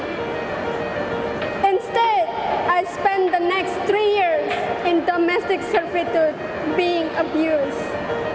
sebaliknya saya menghabiskan tiga tahun yang berakhir di domestik servitude menjadi penyakit